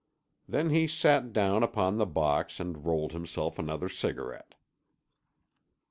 Then he sat down upon the box and rolled himself another cigarette.